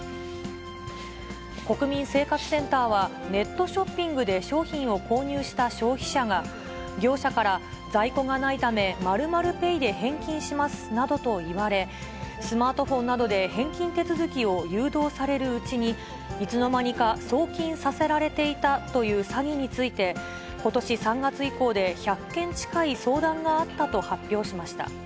国民生活センターは、ネットショッピングで商品を購入した消費者が、業者から、在庫がないため○○ペイで返金しますなどと言われ、スマートフォンなどで返金手続きを誘導されるうちに、いつの間にか送金させられていたという詐欺について、ことし３月以降で１００件近い相談があったと発表しました。